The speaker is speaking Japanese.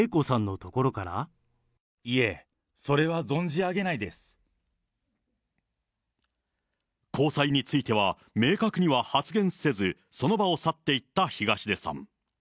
いえ、それは存じ上げないで交際については明確に発言せず、その場を去っていった東出さん。